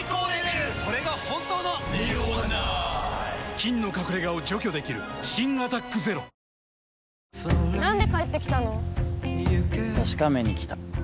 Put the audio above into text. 菌の隠れ家を除去できる新「アタック ＺＥＲＯ」このおいしさで